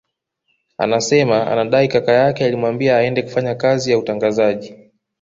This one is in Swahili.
Anasema anadhani kaka yake alimwambia aende kufanya kazi ya utangazaji